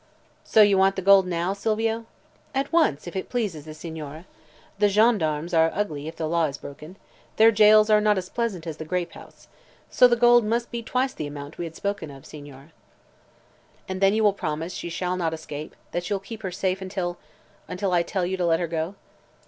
"So you want the gold now, Silvio?" "At once, if it please the Signore. The gendarmes are ugly if the law is broken. Their jails are not as pleasant as the grape house. So the gold must be twice the amount we had spoken of, Signore." "And you will promise she shall not escape; that you'll keep her safe until until I tell you to let her go?"